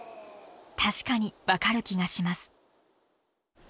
確かに分かる気がします。